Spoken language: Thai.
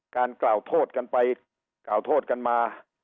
กล่าวโทษกันไปกล่าวโทษกันมา